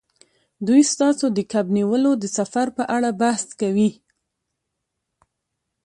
دوی ستاسو د کب نیولو د سفر په اړه بحث کوي